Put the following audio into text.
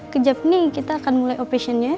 kejap nih kita akan mulai operasinya